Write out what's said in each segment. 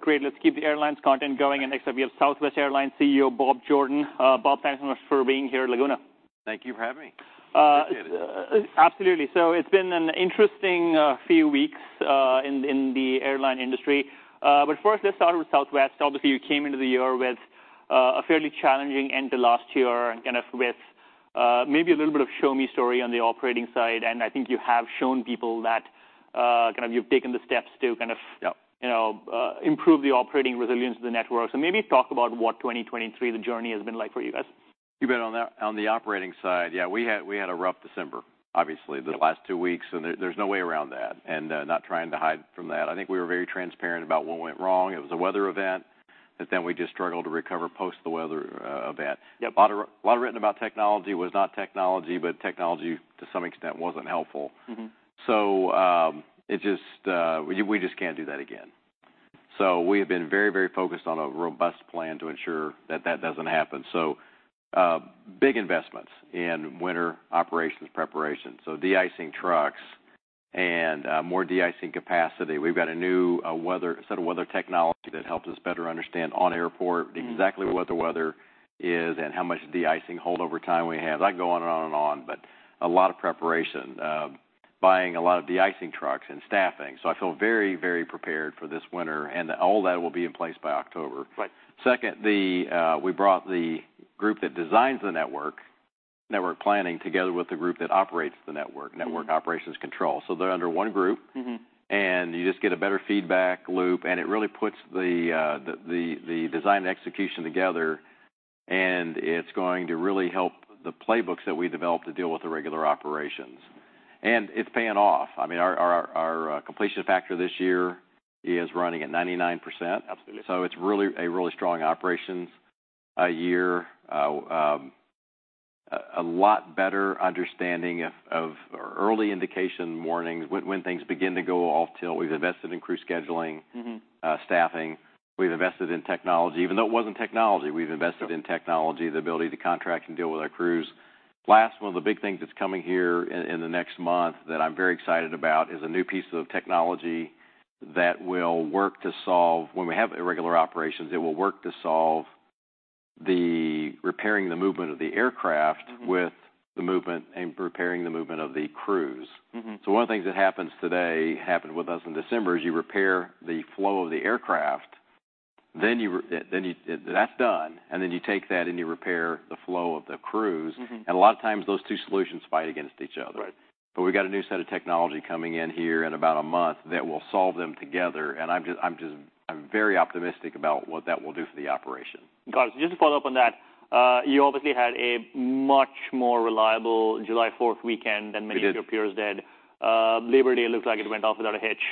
Great. Let's keep the airlines content going, and next up, we have Southwest Airlines CEO, Bob Jordan. Bob, thanks so much for being here at Laguna. Thank you for having me. Appreciate it. Absolutely. So it's been an interesting few weeks in the airline industry. But first, let's start with Southwest. Obviously, you came into the year with a fairly challenging end to last year and kind of with maybe a little bit of show me story on the operating side. And I think you have shown people that kind of you've taken the steps to kind of- Yeah - You know, improve the operating resilience of the network. So maybe talk about what 2023, the journey has been like for you guys. You bet. On the operating side, yeah, we had a rough December, obviously, the last two weeks, and there's no way around that, and not trying to hide from that. I think we were very transparent about what went wrong. It was a weather event, but then we just struggled to recover post the weather event. Yep. A lot, a lot written about technology was not technology, but technology, to some extent, wasn't helpful. Mm-hmm. So, it just, we just can't do that again. So we have been very, very focused on a robust plan to ensure that that doesn't happen. So, big investments in winter operations preparation, so de-icing trucks and more de-icing capacity. We've got a new set of weather technology that helps us better understand on airport exactly what the weather is and how much de-icing holdover time we have. I can go on and on and on, but a lot of preparation, buying a lot of de-icing trucks and staffing. So I feel very, very prepared for this winter, and all that will be in place by October. Right. Second, we brought the group that designs the network, Network Planning, together with the group that operates the network, Network Operations Control. So they're under one group. Mm-hmm. And you just get a better feedback loop, and it really puts the design and execution together, and it's going to really help the playbooks that we developed to deal with the regular operations. And it's paying off. I mean, our completion factor this year is running at 99%. Absolutely. So it's really a really strong operations year. A lot better understanding of early indication warningscwhen things begin to go off till. We've invested in crew scheduling- Mm-hmm... staffing. We've invested in technology. Even though it wasn't technology, we've invested in technology, the ability to contract and deal with our crews. Last, one of the big things that's coming here in the next month that I'm very excited about is a new piece of technology that will work to solve, when we have irregular operations, it will work to solve the repairing the movement of the aircraft- Mm-hmm - with the movement and preparing the movement of the crews. Mm-hmm. So one of the things that happens today, happened with us in December, is you repair the flow of the aircraft, then that's done, and then you take that, and you repair the flow of the crews. Mm-hmm. A lot of times those two solutions fight against each other. Right. But we got a new set of technology coming in here in about a month that will solve them together, and I'm just, I'm very optimistic about what that will do for the operation. Got it. Just to follow up on that, you obviously had a much more reliable July 4th weekend than- We did - many of your peers did. Labor Day looks like it went off without a hitch.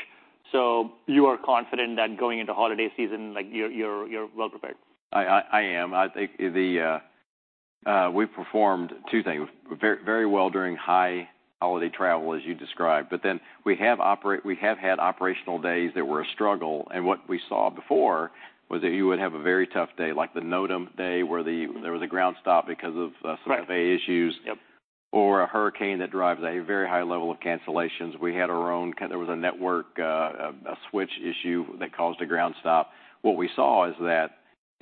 So you are confident that going into holiday season, like, you're well prepared? I am. I think we performed two things very, very well during high holiday travel, as you described, but then we have had operational days that were a struggle, and what we saw before was that you would have a very tough day, like the NOTAM day, where the- Mm-hmm... there was a ground stop because of some- Right - FAA issues. Yep. Or a hurricane that drives a very high level of cancellations. We had our own. There was a network, a switch issue that caused a ground stop. What we saw is that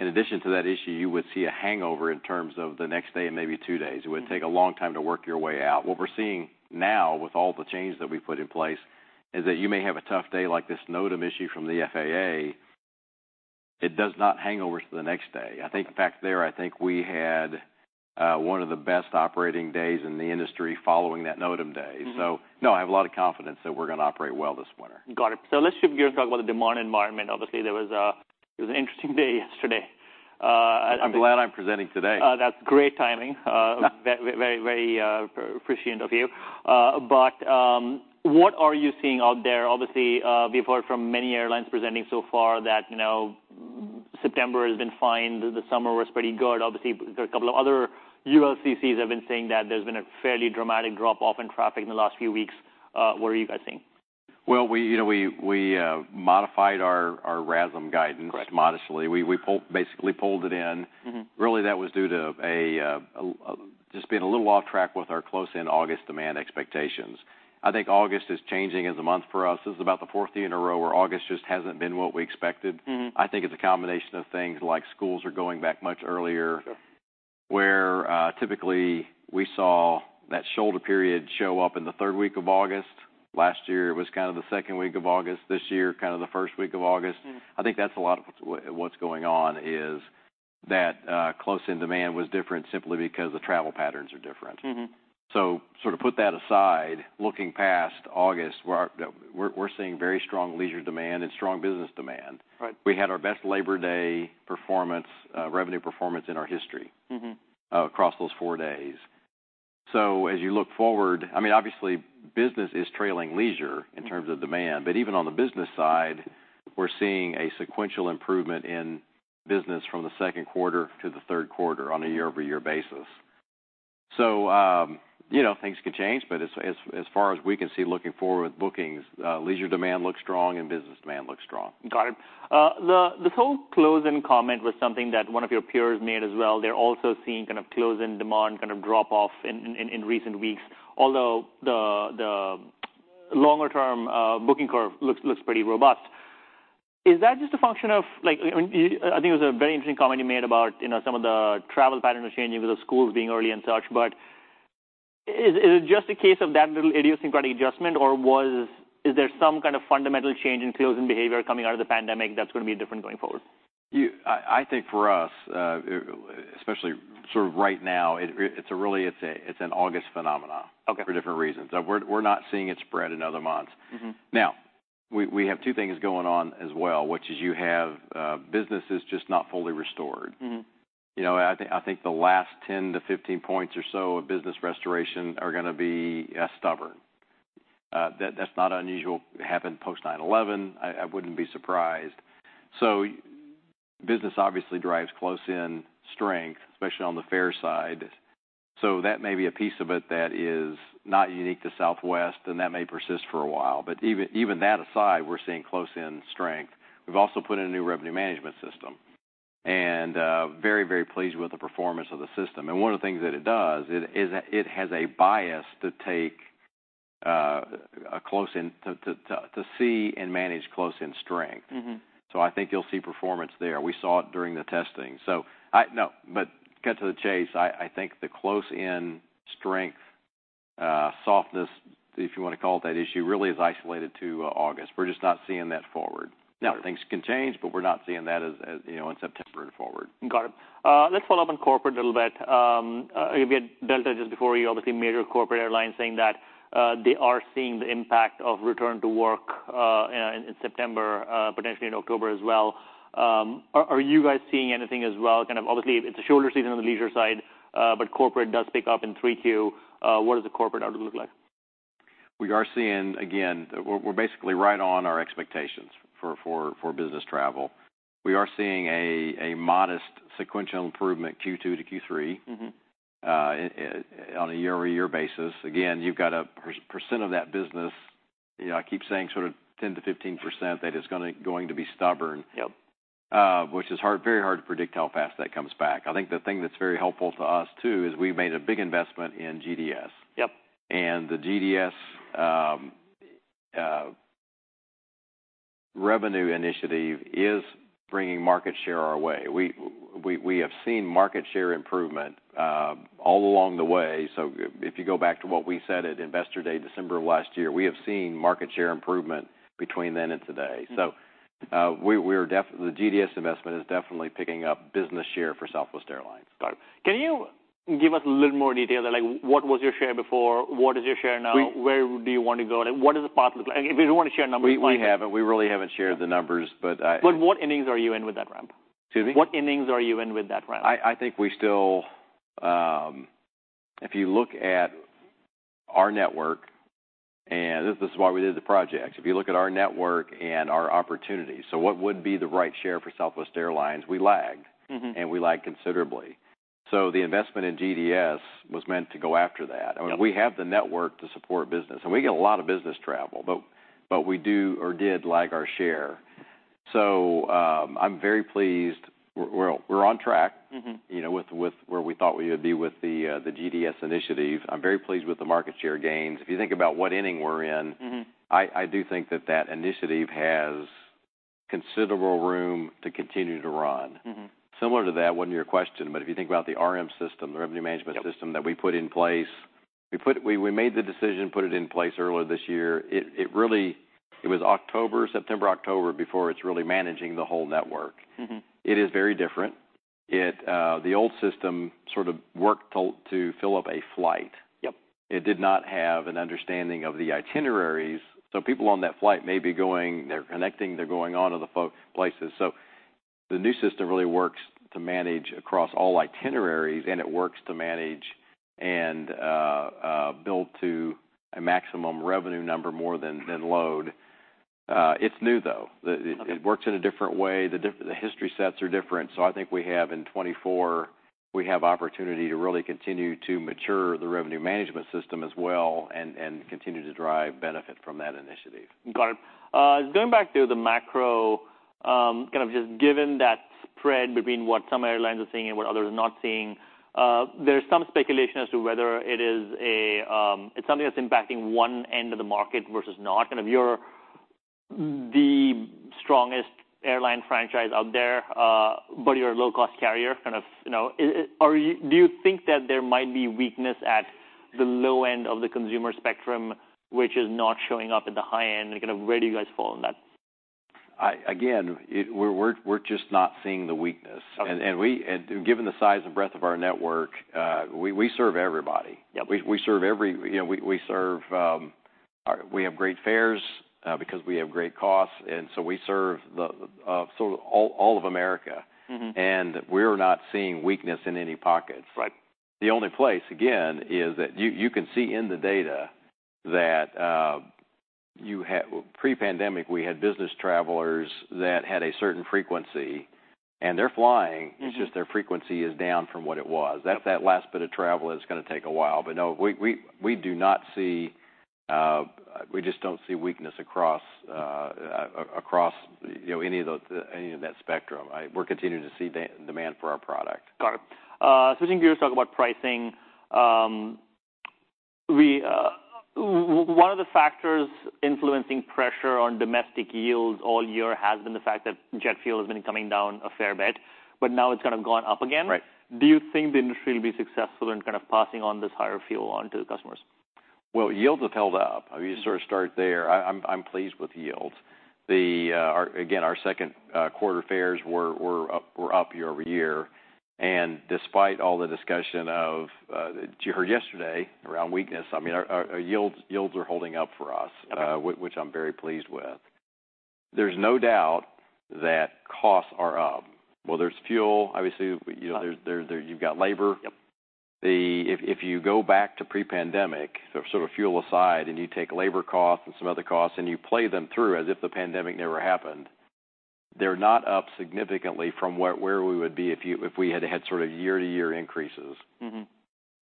in addition to that issue, you would see a hangover in terms of the next day and maybe two days. Mm-hmm. It would take a long time to work your way out. What we're seeing now with all the changes that we put in place is that you may have a tough day like this NOTAM issue from the FAA. It does not hang over to the next day. I think back there, I think we had one of the best operating days in the industry following that NOTAM day. Mm-hmm. No, I have a lot of confidence that we're going to operate well this winter. Got it. So let's shift gears and talk about the demand environment. Obviously, there was, it was an interesting day yesterday, I'm glad I'm presenting today. That's great timing. Very, very appreciative of you. But, what are you seeing out there? Obviously, we've heard from many airlines presenting so far that, you know, September has been fine, the summer was pretty good. Obviously, there are a couple of other ULCCs have been saying that there's been a fairly dramatic drop-off in traffic in the last few weeks. What are you guys seeing? Well, you know, we modified our RASM guidance- Correct modestly. We basically pulled it in. Mm-hmm. Really, that was due to just being a little off track with our close-in August demand expectations. I think August is changing as a month for us. This is about the fourth year in a row where August just hasn't been what we expected. Mm-hmm. I think it's a combination of things like schools are going back much earlier- Sure... where typically we saw that shoulder period show up in the third week of August. Last year, it was kind of the second week of August. This year, kind of the first week of August. Mm. I think that's a lot of what's going on, is that close-in demand was different simply because the travel patterns are different. Mm-hmm. So to sort of put that aside, looking past August, where we're seeing very strong leisure demand and strong business demand. Right. We had our best Labor Day performance, revenue performance in our history- Mm-hmm Across those four days. So as you look forward, I mean, obviously, business is trailing leisure in terms of demand, but even on the business side, we're seeing a sequential improvement in business from the second quarter to the third quarter on a year-over-year basis. So, you know, things can change, but as far as we can see, looking forward with bookings, leisure demand looks strong and business demand looks strong. Got it. This whole close-in comment was something that one of your peers made as well. They're also seeing kind of close-in demand kind of drop off in recent weeks, although the longer-term booking curve looks pretty robust. Is that just a function of, like, I think it was a very interesting comment you made about, you know, some of the travel patterns are changing with the schools being early and such, but is it just a case of that little idiosyncratic adjustment, or is there some kind of fundamental change in sales and behavior coming out of the pandemic that's going to be different going forward? I think for us, especially sort of right now, it's really an August phenomenon- Okay. for different reasons. We're, we're not seeing it spread in other months. Mm-hmm. Now, we, we have two things going on as well, which is you have, businesses just not fully restored. Mm-hmm. You know, I think the last 10-15 points or so of business restoration are going to be stubborn. That, that's not unusual. It happened post-9/11. I wouldn't be surprised. So business obviously drives close in strength, especially on the fare side. So that may be a piece of it that is not unique to Southwest, and that may persist for a while. But even, even that aside, we're seeing close in strength. We've also put in a new revenue management system, and very, very pleased with the performance of the system. And one of the things that it does, it is, it has a bias to take a close in to see and manage close in strength. Mm-hmm. So I think you'll see performance there. We saw it during the testing. No, but get to the chase, I think the close in strength, softness, if you want to call it that issue, really is isolated to August. We're just not seeing that forward. Now, things can change, but we're not seeing that as you know in September and forward. Got it. Let's follow up on corporate a little bit. We had Delta just before you, obviously, major corporate airlines saying that they are seeing the impact of return to work in September, potentially in October as well. Are you guys seeing anything as well? Kind of obviously, it's a shorter season on the leisure side, but corporate does pick up in 3Q. What does the corporate outlook look like? We are seeing, again, we're basically right on our expectations for business travel. We are seeing a modest sequential improvement Q2 to Q3- Mm-hmm... on a year-over-year basis. Again, you've got a percent of that business, you know, I keep saying sort of 10%-15%, that is going to be stubborn. Yep. Which is hard, very hard to predict how fast that comes back. I think the thing that's very helpful to us, too, is we made a big investment in GDS. Yep. The GDS revenue initiative is bringing market share our way. We have seen market share improvement all along the way. If you go back to what we said at Investor Day, December of last year, we have seen market share improvement between then and today. Mm-hmm. We're definitely... The GDS investment is definitely picking up business share for Southwest Airlines. Got it. Can you give us a little more detail, like, what was your share before? What is your share now? We- Where do you want to go? What is the path look like? If you don't want to share numbers, fine. We haven't, we really haven't shared the numbers, but I- What innings are you in with that ramp? Excuse me? What innings are you in with that ramp? I think we still, if you look at our network, and this is why we did the project, if you look at our network and our opportunities, so what would be the right share for Southwest Airlines? We lagged- Mm-hmm... and we lagged considerably. So the investment in GDS was meant to go after that. Yep. I mean, we have the network to support business, and we get a lot of business travel, but, but we do or did lag our share. So, I'm very pleased. We're, we're on track. Mm-hmm... you know, with, with where we thought we would be with the, the GDS initiative. I'm very pleased with the market share gains. If you think about what inning we're in- Mm-hmm... I do think that initiative has considerable room to continue to run. Mm-hmm. Similar to that, it wasn't your question, but if you think about the RM system, the revenue management system- Yep... that we put in place, we made the decision, put it in place earlier this year. It really was October, September, October, before it's really managing the whole network. Mm-hmm. It is very different. It, the old system sort of worked to fill up a flight. Yep. It did not have an understanding of the itineraries. So people on that flight may be going, they're connecting, they're going on to the places. So the new system really works to manage across all itineraries, and it works to manage and build to a maximum revenue number more than load. It's new, though. Okay. It works in a different way. The history sets are different. So I think we have in 2024, we have opportunity to really continue to mature the revenue management system as well and continue to drive benefit from that initiative. Got it. Going back to the macro, kind of just given that spread between what some airlines are seeing and what others are not seeing, there's some speculation as to whether it is a, it's something that's impacting one end of the market versus not. Kind of you're the strongest airline franchise out there, but you're a low-cost carrier, kind of, you know. Is it or do you think that there might be weakness at the low end of the consumer spectrum, which is not showing up at the high end? And kind of where do you guys fall in that? Again, we're just not seeing the weakness. Okay. Given the size and breadth of our network, we serve everybody. Yep. We serve. You know, we serve. We have great fares because we have great costs, and so we serve the sort of all of America. Mm-hmm. We're not seeing weakness in any pockets. Right. The only place, again, is that you can see in the data that you had... Pre-pandemic, we had business travelers that had a certain frequency, and they're flying. Mm-hmm. It's just their frequency is down from what it was. Yep. That's that last bit of travel that's going to take a while. But no, we do not see. We just don't see weakness across, across, you know, any of those, any of that spectrum. We're continuing to see demand for our product. Got it. Switching gears, talk about pricing. We, one of the factors influencing pressure on domestic yields all year has been the fact that jet fuel has been coming down a fair bit, but now it's kind of gone up again. Right. Do you think the industry will be successful in kind of passing on this higher fuel on to the customers? Well, yields have held up. I mean, you sort of start there. I'm pleased with yields. The our again, our second quarter fares were up year-over-year. And despite all the discussion of that you heard yesterday around weakness, I mean, our yields are holding up for us- Uh-huh... which I'm very pleased with. There's no doubt that costs are up, whether it's fuel, obviously, you know, there, you've got labor. Yep. If you go back to pre-pandemic, so sort of fuel aside, and you take labor costs and some other costs, and you play them through as if the pandemic never happened, they're not up significantly from where we would be if we had had sort of year-to-year increases. Mm-hmm.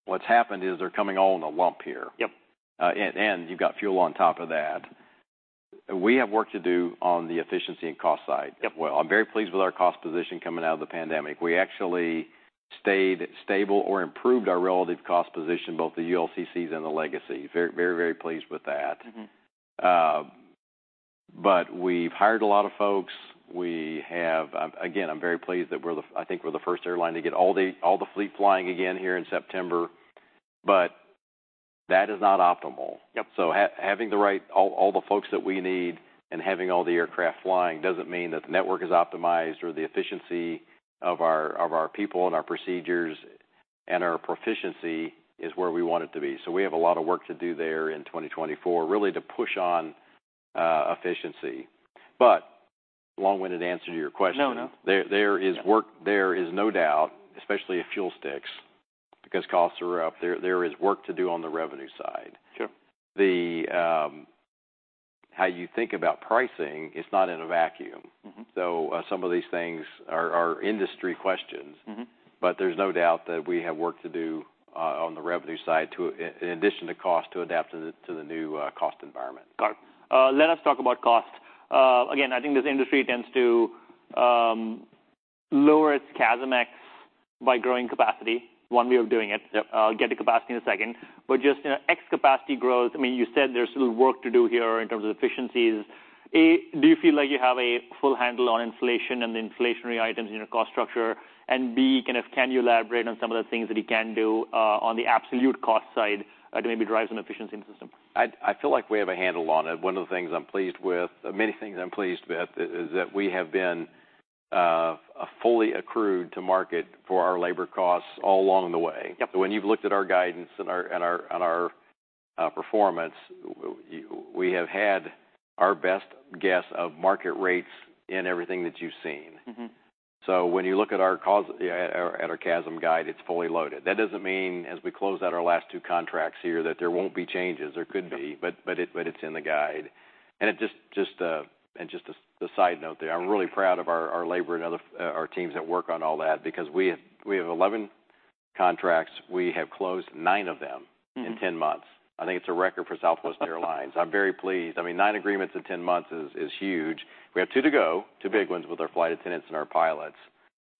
What's happened is they're coming all in a lump here. Yep. And you've got fuel on top of that. We have work to do on the efficiency and cost side- Yep... well, I'm very pleased with our cost position coming out of the pandemic. We actually stayed stable or improved our relative cost position, both the ULCCs and the legacy. Very, very, very pleased with that. Mm-hmm. But we've hired a lot of folks. We have, again, I'm very pleased that we're the, I think, we're the first airline to get all the, all the fleet flying again here in September, but that is not optimal. Yep. So having the right, all, all the folks that we need and having all the aircraft flying doesn't mean that the network is optimized or the efficiency of our, of our people and our procedures and our proficiency is where we want it to be. So we have a lot of work to do there in 2024, really, to push on efficiency. But long-winded answer to your question. No, no. There is work- Yeah... there is no doubt, especially if fuel sticks, because costs are up, there is work to do on the revenue side. Sure. How you think about pricing is not in a vacuum. Mm-hmm. Some of these things are industry questions. Mm-hmm. But there's no doubt that we have work to do on the revenue side to, in addition to cost, to adapt to the new cost environment. Got it. Let us talk about cost. Again, I think this industry tends to lower its CASM-ex by growing capacity. One way of doing it. Yep. I'll get to capacity in a second. But just, you know, ex-capacity growth, I mean, you said there's still work to do here in terms of efficiencies. A, do you feel like you have a full handle on inflation and the inflationary items in your cost structure? And B, kind of, can you elaborate on some of the things that you can do on the absolute cost side to maybe drive some efficiency in the system? I feel like we have a handle on it. One of the things I'm pleased with, many things I'm pleased with is that we have been fully accrued to market for our labor costs all along the way. Yep. So when you've looked at our guidance and our performance, we have had our best guess of market rates in everything that you've seen. Mm-hmm. When you look at our cost, at our CASM guide, it's fully loaded. That doesn't mean as we close out our last two contracts here, that there won't be changes. There could be. Yep. But it's in the guide, and just a side note there, I'm really proud of our labor and other teams that work on all that, because we have 11 contracts. We have closed 9 of them- Mm-hmm... in 10 months. I think it's a record for Southwest Airlines. I'm very pleased. I mean, 9 agreements in 10 months is, is huge. We have two to go, two big ones with our flight attendants and our pilots,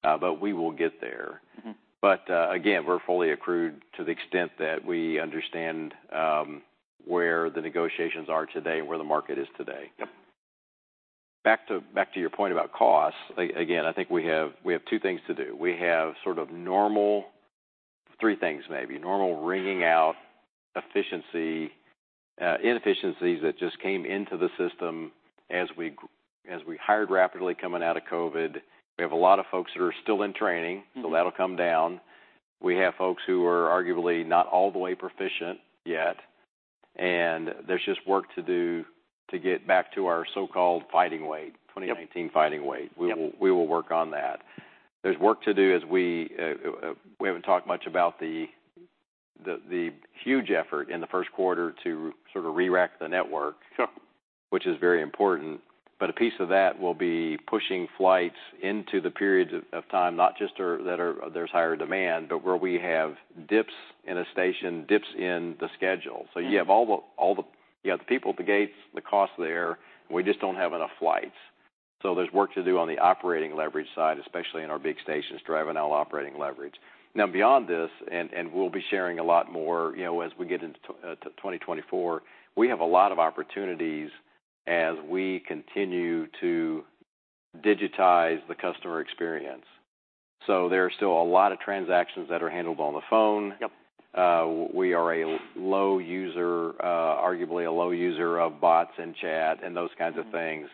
but we will get there. Mm-hmm. But, again, we're fully accrued to the extent that we understand where the negotiations are today and where the market is today. Yep. Back to, back to your point about cost, again, I think we have, we have two things to do. We have sort of normal... Three things maybe normal wringing out efficiency, inefficiencies, that just came into the system as we hired rapidly coming out of COVID. We have a lot of folks that are still in training- Mm-hmm so that'll come down. We have folks who are arguably not all the way proficient yet, and there's just work to do to get back to our so-called fighting weight- Yep... 2019 fighting weight. Yep. We will work on that. There's work to do as we haven't talked much about the huge effort in the first quarter to sort of re-rack the network- Sure... which is very important. But a piece of that will be pushing flights into the periods of time, not just there's higher demand, but where we have dips in a station, dips in the schedule. Mm-hmm. So you have all the people at the gates, the costs there, we just don't have enough flights. So there's work to do on the operating leverage side, especially in our big stations, driving all operating leverage. Now, beyond this, and we'll be sharing a lot more, you know, as we get into 2024, we have a lot of opportunities as we continue to digitize the customer experience. So there are still a lot of transactions that are handled on the phone. Yep. We are a low user, arguably a low user of bots and chat and those kinds of things.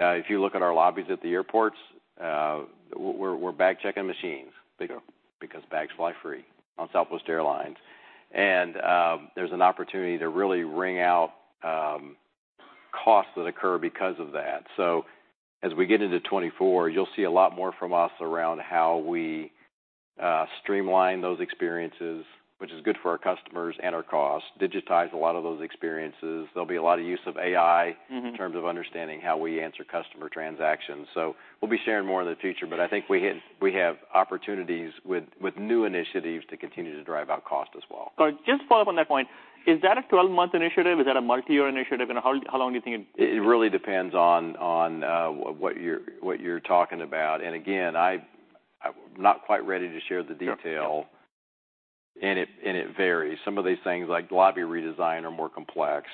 Mm-hmm. If you look at our lobbies at the airports, we're bag-checking machines- Sure... because bags fly free on Southwest Airlines. And there's an opportunity to really wring out costs that occur because of that. So as we get into 2024, you'll see a lot more from us around how we streamline those experiences, which is good for our customers and our costs. Digitize a lot of those experiences. There'll be a lot of use of AI- Mm-hmm... in terms of understanding how we answer customer transactions. So we'll be sharing more in the future, but I think we have, we have opportunities with, with new initiatives to continue to drive out cost as well. Got it. Just follow up on that point. Is that a 12-month initiative? Is that a multi-year initiative? And how, how long do you think it- It really depends on what you're talking about. And again, I'm not quite ready to share the detail, and it varies. Some of these things, like lobby redesign, are more complex.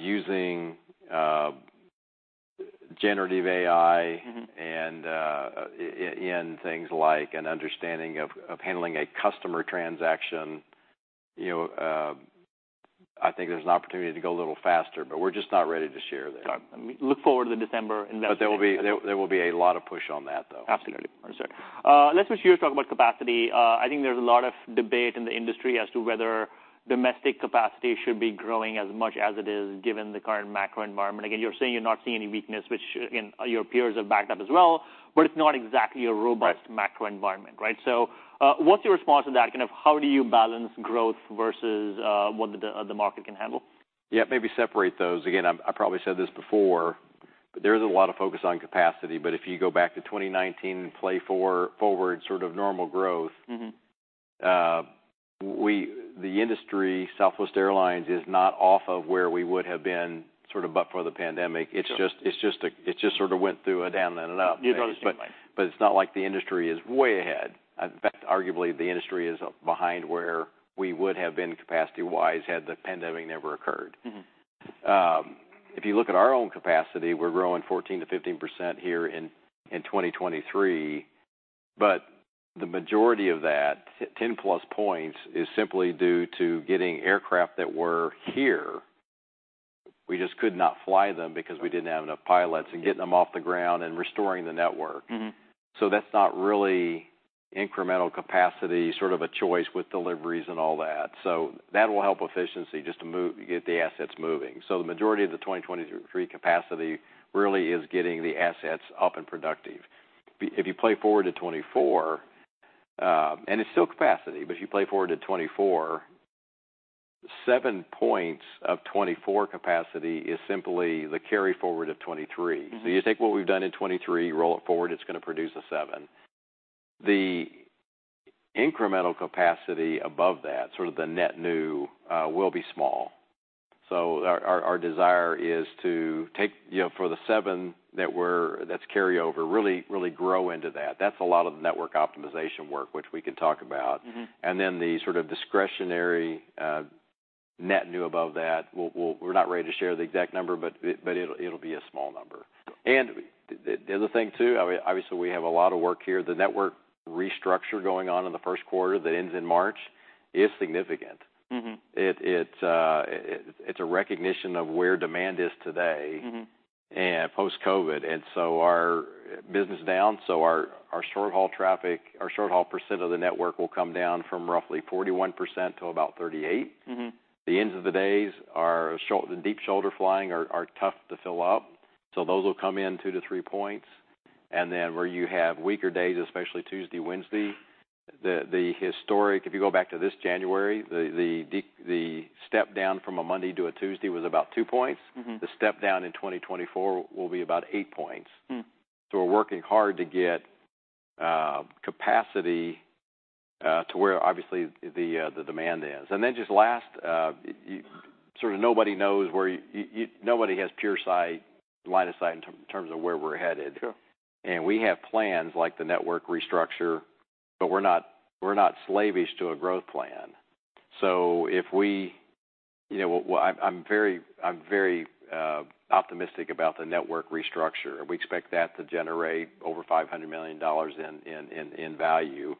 Using generative AI- Mm-hmm And, in things like an understanding of handling a customer transaction, you know, I think there's an opportunity to go a little faster, but we're just not ready to share that. Got it. Look forward to the December investment. But there will be a lot of push on that, though. Absolutely. Sure. Let's switch gears, talk about capacity. I think there's a lot of debate in the industry as to whether domestic capacity should be growing as much as it is, given the current macro environment. Again, you're saying you're not seeing any weakness, which, again, your peers have backed up as well, but it's not exactly a robust- Right -macro environment, right? So, what's your response to that? Kind of, how do you balance growth versus, what the, the market can handle? Yeah, maybe separate those. Again, I, I probably said this before, but there is a lot of focus on capacity. But if you go back to 2019 and play forward, sort of normal growth- Mm-hmm The industry, Southwest Airlines, is not off of where we would have been sort of but for the pandemic. Sure. It just sort of went through a down and an up. You've got a chain, right? But, but it's not like the industry is way ahead. In fact, arguably, the industry is behind where we would have been capacity-wise, had the pandemic never occurred. Mm-hmm. If you look at our own capacity, we're growing 14%-15% here in 2023. But the majority of that, 10+ points, is simply due to getting aircraft that were here. We just could not fly them because we didn't have enough pilots, and getting them off the ground and restoring the network. Mm-hmm. So that's not really incremental capacity, sort of a choice with deliveries and all that. So that will help efficiency just to move, get the assets moving. So the majority of the 2023 capacity really is getting the assets up and productive. If you play forward to 2024, and it's still capacity, but you play forward to 2024, seven points of 2024 capacity is simply the carryforward of 2023. Mm-hmm. So you take what we've done in 2023, roll it forward, it's gonna produce a seven. The incremental capacity above that, sort of the net new, will be small. So our desire is to take, you know, for the seven that's carryover, really, really grow into that. That's a lot of the network optimization work, which we can talk about. Mm-hmm. Then the sort of discretionary net new above that, we're not ready to share the exact number, but it'll be a small number. The other thing, too, I mean, obviously, we have a lot of work here. The network restructure going on in the first quarter, that ends in March, is significant. Mm-hmm. It's a recognition of where demand is today- Mm-hmm and post-COVID, and so our business is down. So our short-haul traffic, our short-haul percent of the network will come down from roughly 41% to about 38%. Mm-hmm. The ends of the days are short, the deep shoulder flying are tough to fill up, so those will come in two-three points. And then where you have weaker days, especially Tuesday, Wednesday, if you go back to this January, the step down from a Monday to a Tuesday was about two points. Mm-hmm. The step down in 2024 will be about eight points. Mm-hmm. So we're working hard to get capacity to where obviously the demand is. And then just last, sort of nobody knows where... Nobody has pure sight, line of sight in terms of where we're headed. Sure. We have plans, like the network restructure, but we're not slavish to a growth plan. So if we—you know, well, I'm very optimistic about the network restructure, and we expect that to generate over $500 million in value.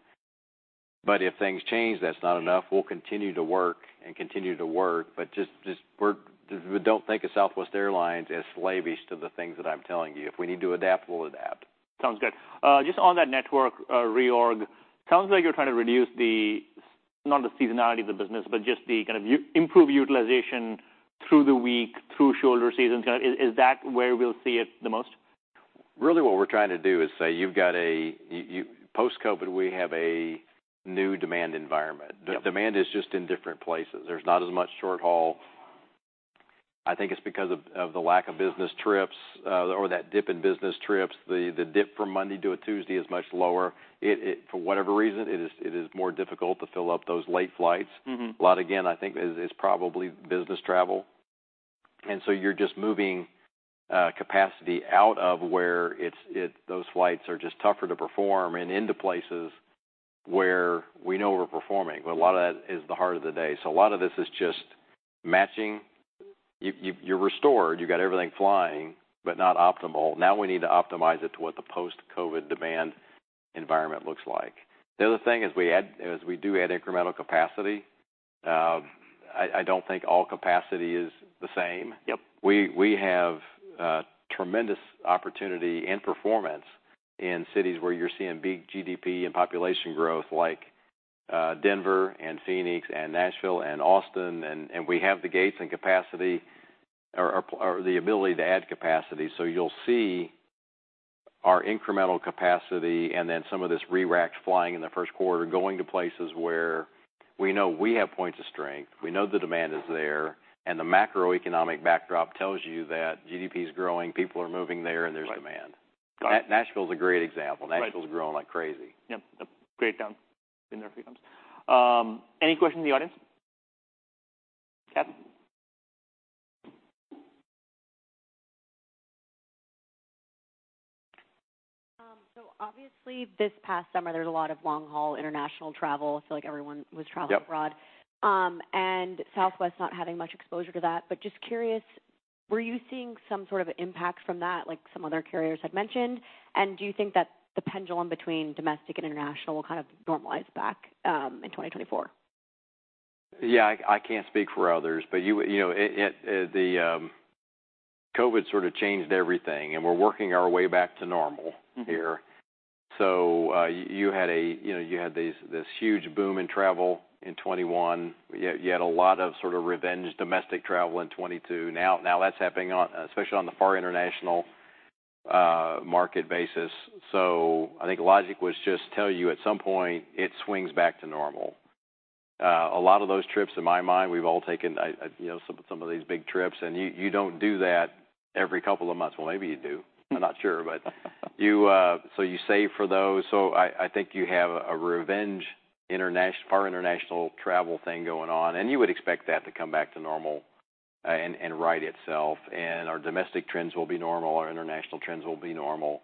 But if things change, that's not enough. We'll continue to work, but just, we're—don't think of Southwest Airlines as slavish to the things that I'm telling you. If we need to adapt, we'll adapt. Sounds good. Just on that network, reorg, sounds like you're trying to reduce the, not the seasonality of the business, but just the kind of improved utilization through the week, through shoulder seasons. Kind of, is, is that where we'll see it the most? Really, what we're trying to do is say, you've got a... post-COVID, we have a new demand environment. Yep. The demand is just in different places. There's not as much short haul. I think it's because of the lack of business trips, or that dip in business trips. The dip from Monday to a Tuesday is much lower. It... For whatever reason, it is more difficult to fill up those late flights. Mm-hmm. A lot, again, I think is probably business travel, and so you're just moving capacity out of where it's those flights are just tougher to perform, and into places where we know we're performing. But a lot of that is the heart of the day. So a lot of this is just matching. You've you're restored, you've got everything flying, but not optimal. Now we need to optimize it to what the post-COVID demand environment looks like. The other thing is, as we do add incremental capacity, I don't think all capacity is the same. Yep. We have tremendous opportunity and performance in cities where you're seeing big GDP and population growth, like Denver and Phoenix and Nashville and Austin, and we have the gates and capacity or the ability to add capacity. So you'll see our incremental capacity, and then some of this re-rack flying in the first quarter, going to places where we know we have points of strength, we know the demand is there, and the macroeconomic backdrop tells you that GDP is growing, people are moving there, and there's demand. Right. Got it. Nashville is a great example. Right. Nashville is growing like crazy. Yep. A great town, been there a few times. Any question in the audience?... So obviously this past summer, there was a lot of long-haul international travel. I feel like everyone was traveling abroad. Yep. Southwest not having much exposure to that, but just curious, were you seeing some sort of impact from that, like some other carriers had mentioned? Do you think that the pendulum between domestic and international will kind of normalize back in 2024? Yeah, I can't speak for others, but you know, the COVID sort of changed everything, and we're working our way back to normal- Mm-hmm Here. So, you know, you had these, this huge boom in travel in 2021. You had a lot of sort of revenge domestic travel in 2022. Now, that's happening on, especially on the far international, market basis. So I think logic would just tell you, at some point, it swings back to normal. A lot of those trips, in my mind, we've all taken, I, you know, some of these big trips, and you don't do that every couple of months. Well, maybe you do. I'm not sure. But you, so you save for those. So I think you have a revenge international - far international travel thing going on, and you would expect that to come back to normal, and right itself, and our domestic trends will be normal, our international trends will be normal.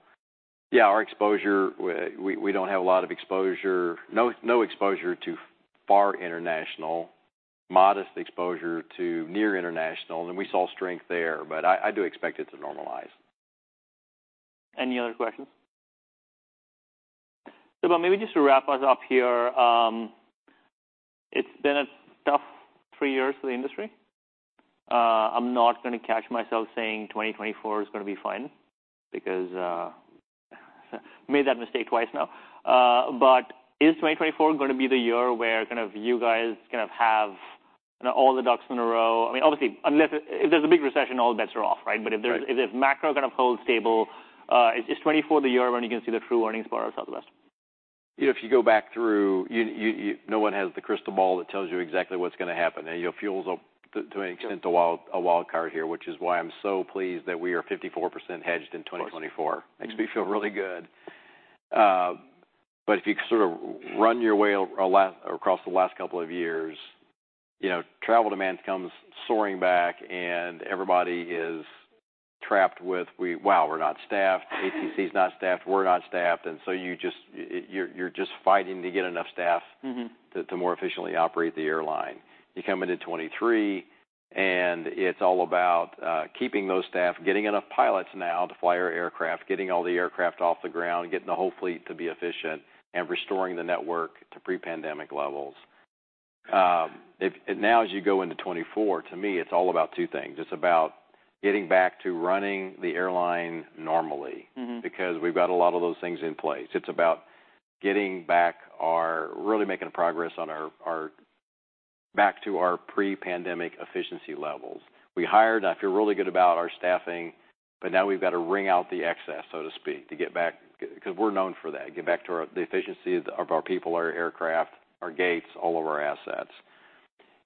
Yeah, our exposure, we don't have a lot of exposure. No, no exposure to far international, modest exposure to near international, and we saw strength there, but I do expect it to normalize. Any other questions? So Bob, maybe just to wrap us up here, it's been a tough three years for the industry. I'm not gonna catch myself saying 2024 is gonna be fine because, made that mistake twice now. But is 2024 gonna be the year where kind of you guys kind of have all the ducks in a row? I mean, obviously, unless if there's a big recession, all bets are off, right? Right. But if there's, if macro kind of holds stable, is 2024 the year when you can see the true earnings power of Southwest? You know, if you go back through, you, no one has the crystal ball that tells you exactly what's gonna happen. And, you know, fuels are, to an extent- Yep A wild card here, which is why I'm so pleased that we are 54% hedged in 2024. Of course. Makes me feel really good. But if you sort of run your way across the last couple of years, you know, travel demand comes soaring back, and everybody is trapped with we, "Wow, we're not staffed. ATC is not staffed, we're not staffed." And so you just... You, you're just fighting to get enough staff- Mm-hmm to more efficiently operate the airline. You come into 2023, and it's all about keeping those staff, getting enough pilots now to fly our aircraft, getting all the aircraft off the ground, getting the whole fleet to be efficient, and restoring the network to pre-pandemic levels. And now as you go into 2024, to me, it's all about two things. It's about getting back to running the airline normally. Mm-hmm. Because we've got a lot of those things in place. It's about getting back... Really making progress on our back to our pre-pandemic efficiency levels. We hired. I feel really good about our staffing, but now we've got to wring out the excess, so to speak, to get back—'cause we're known for that, get back to the efficiency of our people, our aircraft, our gates, all of our assets.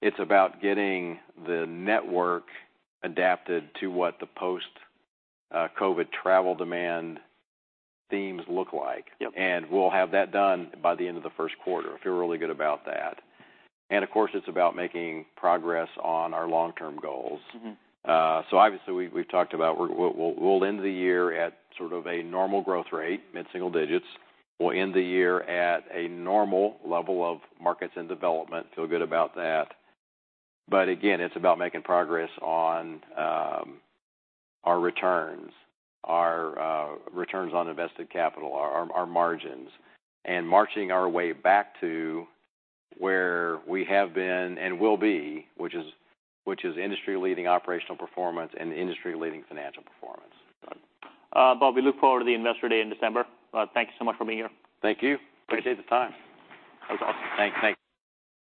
It's about getting the network adapted to what the post-COVID travel demand themes look like. Yep. We'll have that done by the end of the first quarter. I feel really good about that. Of course, it's about making progress on our long-term goals. Mm-hmm. So obviously, we've talked about. We will end the year at sort of a normal growth rate, mid-single digits. We'll end the year at a normal level of markets and development. Feel good about that. But again, it's about making progress on our returns, our returns on invested capital, our margins, and marching our way back to where we have been and will be, which is industry-leading operational performance and industry-leading financial performance. Bob, we look forward to the Investor Day in December. Thank you so much for being here. Thank you. Appreciate the time. That was awesome. Thanks. Thank you.